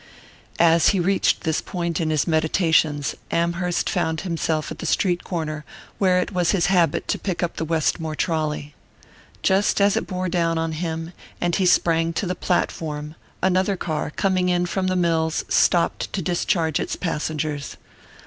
As he reached this point in his meditations, Amherst found himself at the street corner where it was his habit to pick up the Westmore trolley. Just as it bore down on him, and he sprang to the platform, another car, coming in from the mills, stopped to discharge its passengers.